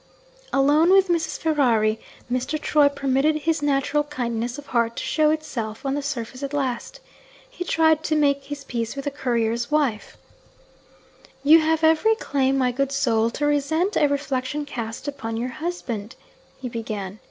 Alone with Mrs. Ferrari, Mr. Troy permitted his natural kindness of heart to show itself on the surface at last. He tried to make his peace with the courier's wife. 'You have every claim, my good soul, to resent a reflection cast upon your husband,' he began.